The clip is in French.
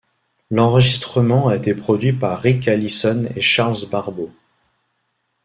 L'enregistrement a été produit par Rick Allison et Charles Barbeau.